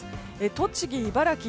栃木、茨木